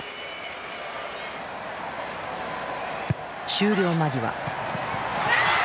終了間際。